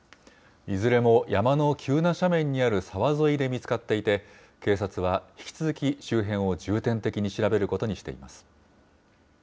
いずれも山の急な斜面にある沢沿いで見つかっていて、警察は引き続き周辺を重点的に調べることにしています。